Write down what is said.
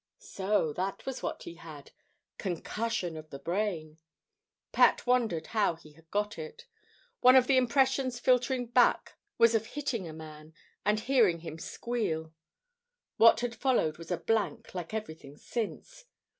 So that was what he had concussion of the brain! Pat wondered how he had got it. One of the impressions filtering back was of hitting a man, and hearing him squeal. What had followed was a blank, like everything since.